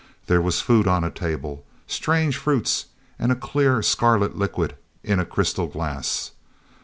There was food on a table, strange fruits, and a clear scarlet liquid in a crystal glass.